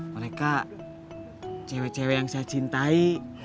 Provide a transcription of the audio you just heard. mereka cewek cewek yang saya cintai